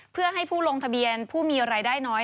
เพื่อให้ผู้ลงทะเบียนผู้มีรายได้น้อย